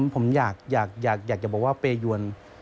ผมอยากจะบอกว่าเปยวน